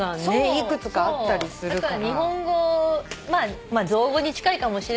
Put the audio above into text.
幾つかあったりするから。